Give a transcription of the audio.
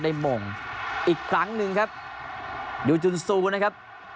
ได้หม่มอีกครั้งหนึ่งครับอยู่จนสู้นะครับ